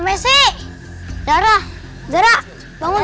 masih darah berat bangun